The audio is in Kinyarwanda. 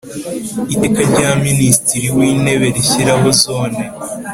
Iteka rya Minisitiri w Intebe rishyiraho Zone